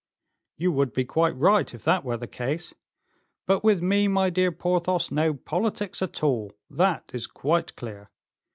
"You would be quite right, if that were the case. But with me, my dear Porthos, no politics at all, that is quite clear.